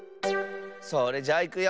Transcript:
それじゃいくよ。